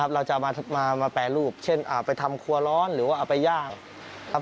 เราจะมาแปรรูปเช่นเอาไปทำครัวร้อนหรือว่าเอาไปย่างครับ